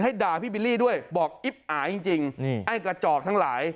ด่าพี่บิลลี่ด้วยบอกอิ๊บอาจริงจริงไอ้กระจอกทั้งหลาย